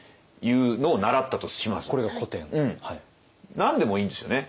何でもいいんですよね。